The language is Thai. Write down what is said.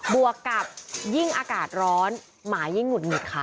วกกับยิ่งอากาศร้อนหมายิ่งหุดหงิดค่ะ